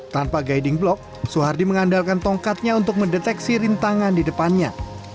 tanpa guiding block soehardi mengandalkan tongkatnya untuk mendeteksi rintangan di depannya